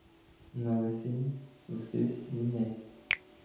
На лисині трусивсь вінець.